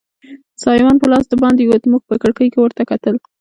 سایوان په لاس دباندې ووت، موږ په کړکۍ کې ورته کتل.